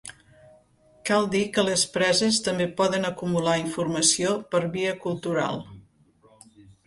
Cal dir que les preses també poden acumular informació per via cultural.